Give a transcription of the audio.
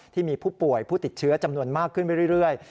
ที่มีผู้ป่วยผู้ติดเชื้อจำนวนมากขึ้นไปเรื่อย